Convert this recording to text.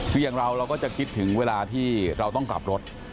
คืออย่างเราเราก็จะคิดถึงเวลาที่เราต้องกลับรถ